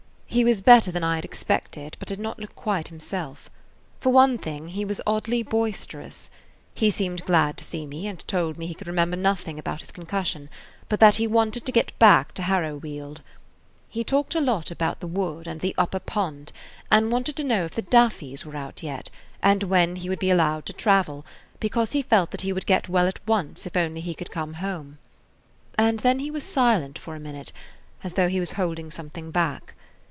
He was better than I had expected, but did not look quite himself. For one thing, he was oddly boisterous. He seemed glad to see me, and told me he could remember nothing about his concussion, but that he wanted to get back to Harrowweald. He talked a lot about the wood and the upper pond and wanted to know if the daffies were out yet, and when he would be allowed to travel, because he felt that he would get well at once if only he could get home. And then he was silent for a minute, as though he was holding something back.